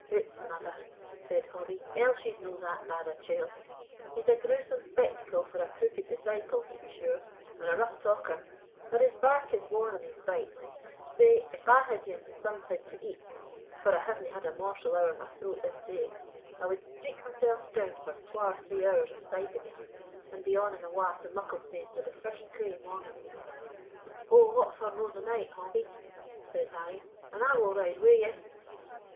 "Hout, mother," said Hobbie, "Elshie's no that bad a chield; he's a grewsome spectacle for a crooked disciple, to be sure, and a rough talker, but his bark is waur than his bite; sae, if I had anes something to eat, for I havena had a morsel ower my throat this day, I wad streek mysell down for twa or three hours aside the beast, and be on and awa' to Mucklestane wi' the first skreigh o' morning." "And what for no the night, Hobbie," said Harry, "and I will ride wi' ye?"